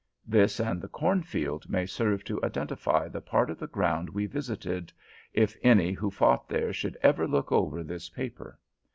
This and the cornfield may serve to identify the part of the ground we visited, if any who fought there should ever look over this paper.